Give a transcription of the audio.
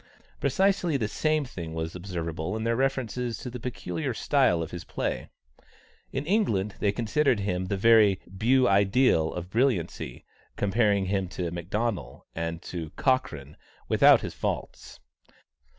Precisely the same thing was observable in their references to the peculiar style of his play. In England, they considered him the very beau ideal of brilliancy, comparing him to McDonnel, and to "Cochrane, without his faults."